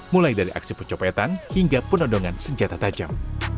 mulai dari aksi pencopetan hingga penodongan senjata tajam